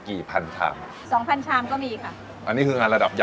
พันชามสองพันชามก็มีค่ะอันนี้คืองานระดับย